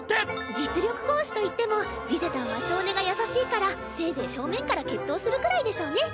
実力行使といってもリゼたんは性根が優しいからせいぜい正面から決闘するくらいでしょうね。